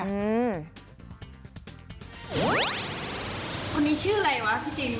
คนนี้ชื่ออะไรวะพี่จิน